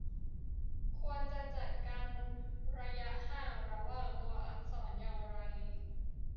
ควรจะจัดการระยะห่างระหว่างตัวอักษรอย่างไร